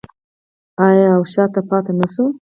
آیا او شاته پاتې نشو؟